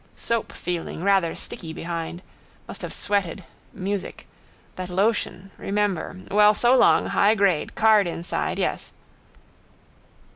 Soap feeling rather sticky behind. Must have sweated: music. That lotion, remember. Well, so long. High grade. Card inside. Yes.